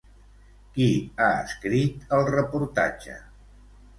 Qui ha escrit el reportatge?